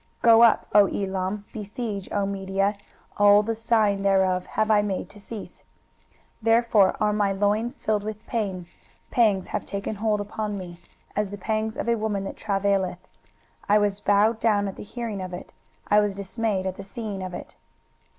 Go up, O Elam: besiege, O Media; all the sighing thereof have I made to cease. 23:021:003 Therefore are my loins filled with pain: pangs have taken hold upon me, as the pangs of a woman that travaileth: I was bowed down at the hearing of it; I was dismayed at the seeing of it.